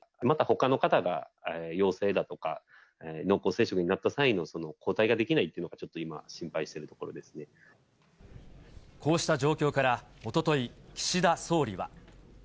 またほかの方が陽性だとか、濃厚接触になった際の交代ができないっていうのが、ちょっと今、こうした状況からおととい、岸田総理は。